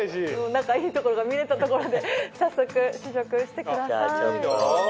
仲いいところが見れたところで早速試食してください。